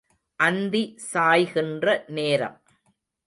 அந்தி சாய்கின்ற நேரம்.